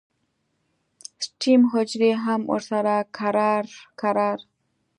سټیم حجرې هم ورسره کرار کرار